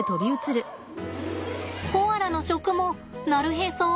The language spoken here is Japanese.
コアラの食もなるへそなんです。